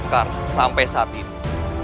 karena sampai saat ini